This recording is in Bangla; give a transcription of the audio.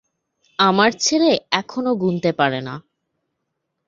আমার ছেলে এখনো গুনতে পারে না।